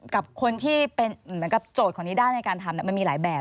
กับคนที่เป็นเหมือนกับโจทย์ของนิด้าในการทำมันมีหลายแบบ